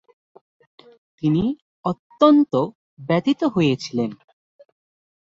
তিনি অত্যন্ত ব্যথিত হয়েছিলেন।